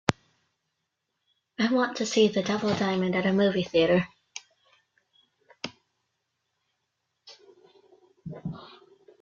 I want to see The Devil Diamond at a movie theatre.